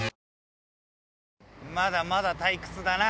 まだまだ退屈だな。